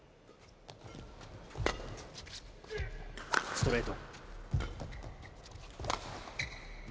ストレート。